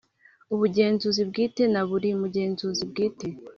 Ubugenzuzi Bwite na buri mugenzuzi bwite